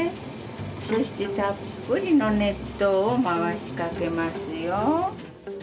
そしてたっぷりの熱湯を回しかけますよ。